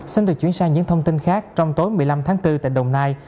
xin được chuyển sang những thông tin khác trong tối một mươi năm tháng bốn tại đồng nai